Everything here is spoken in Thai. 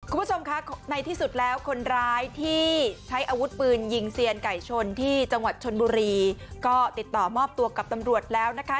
คุณผู้ชมคะในที่สุดแล้วคนร้ายที่ใช้อาวุธปืนยิงเซียนไก่ชนที่จังหวัดชนบุรีก็ติดต่อมอบตัวกับตำรวจแล้วนะคะ